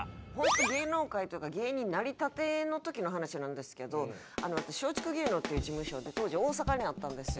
芸能界っていうか芸人なりたての時の話なんですけど私松竹芸能っていう事務所で当時大阪にあったんですよ。